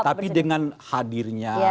tapi dengan hadirnya